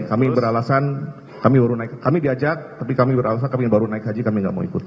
kami beralasan kami baru naik kami diajak tapi kami beralasan kami baru naik haji kami tidak mau ikut